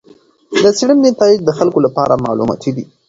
د څېړنې نتایج د خلکو لپاره معلوماتي دي.